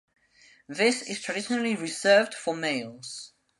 This is traditionally reserved for males.